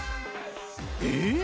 えっ！